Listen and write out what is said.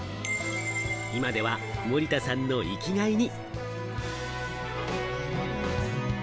今では森田さんの生きがいに。